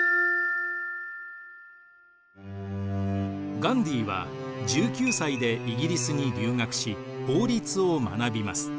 ガンディーは１９歳でイギリスに留学し法律を学びます。